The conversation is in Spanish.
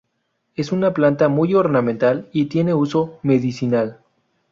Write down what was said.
Es una planta muy ornamental, y tiene uso medicinal.